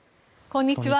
こんにちは。